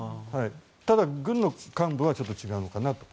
ただ、軍の幹部は違うのかなと。